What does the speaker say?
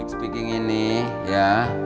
speaking ini ya